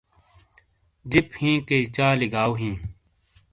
جِپ ہِیں کیئی چالی گاٶ ہِیں